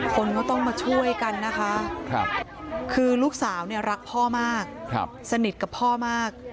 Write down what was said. คนก็ต้องมาช่วยกันนะคะคือลูกสาวเนี่ยรักพ่อมากสนิทกับพ่อมาก